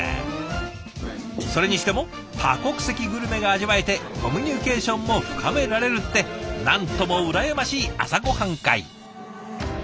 それにしても多国籍グルメが味わえてコミュニケーションも深められるってなんともうらやましい朝ごはん会。